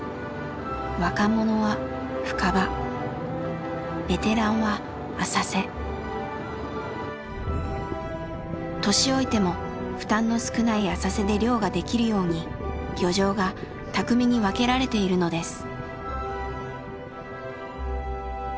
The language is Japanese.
若者は深場年老いても負担の少ない浅瀬で漁ができるように漁場がたくみに分けられているのです。